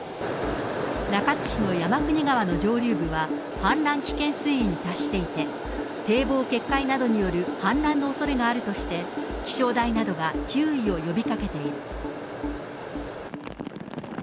中津市の山国川の上流部は氾濫危険水位に達していて、堤防決壊などによる氾濫のおそれがあるとして、気象台などが注意を呼びかけている。